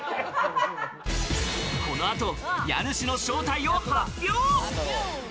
この後、家主の正体を発表。